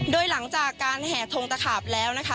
โดยหลังจากการแห่ทงตะขาบแล้วนะคะ